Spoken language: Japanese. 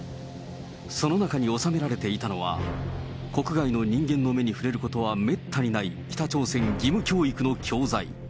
その中におさめられていたのは、国外の人間の目に触れることはめったにない、北朝鮮義務教育の教材。